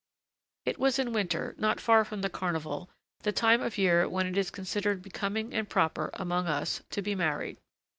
It was in winter, not far from the Carnival, the time of year when it is considered becoming and proper, among us, to be married.